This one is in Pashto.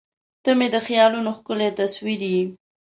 • ته مې د خیالونو ښکلی تصور یې.